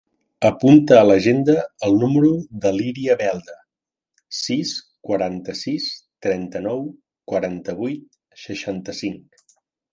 Apunta a l'agenda el número de l'Iria Belda: sis, quaranta-sis, trenta-nou, quaranta-vuit, seixanta-cinc.